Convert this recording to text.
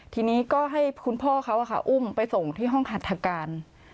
ทีนี้ก็ให้คุณพ่อเขาอุ้มไปส่งที่ห้องหัตถการ